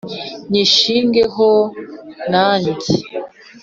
nyishinge ho nange”